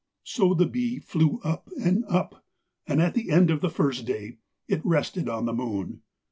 So the bee flew up and up, and at the end of the first day it rested on the moon.